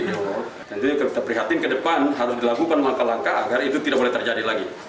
tentunya kita prihatin ke depan harus dilakukan langkah langkah agar itu tidak boleh terjadi lagi